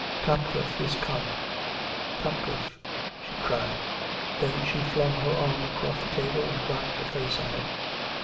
" Topcliffe is come ... Topcliffe !..." she cried. Then she flung her arm across the table and dropped her face on it.